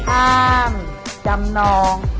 อ้างจำนอง